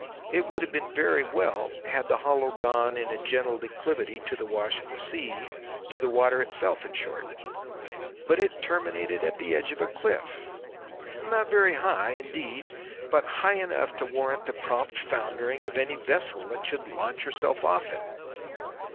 It would have been very well had the hollow gone in a gentle declivity to the wash of the sea, to the water itself, in short; but it terminated at the edge of a cliff, not very high indeed, but high enough to warrant the prompt foundering of any vessel that should launch herself off it.